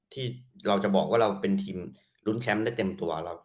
ที่เราจะบอกว่าเราเป็นทีมลุ้นแชมป์ได้เต็มตัว